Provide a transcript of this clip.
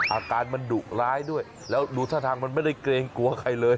อาการมันดุร้ายด้วยแล้วดูท่าทางมันไม่ได้เกรงกลัวใครเลย